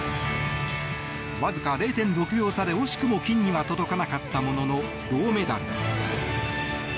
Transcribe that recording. わずか０．６秒差で惜しくも金には届かなかったものの、銅メダル。